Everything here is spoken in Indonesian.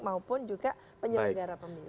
maupun juga penyelenggara pemilu